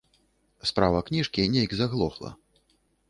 Справа кніжкі нейк заглохла.